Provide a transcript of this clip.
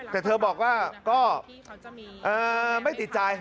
แต่เธอบอกว่าก็ไม่ติดใจ